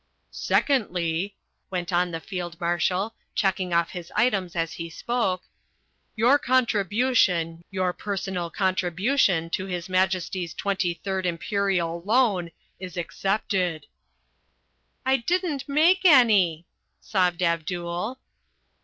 "Secondly," went on the Field Marshal, checking off his items as he spoke, "your contribution, your personal contribution to His Majesty's Twenty third Imperial Loan, is accepted." "I didn't make any!" sobbed Abdul.